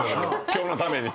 今日のために。